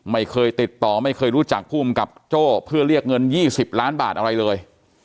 ไม่เคยติดต่อไม่เคยรู้จักภูมิกับโจ้เพื่อเรียกเงิน๒๐ล้านบาทอะไรเลย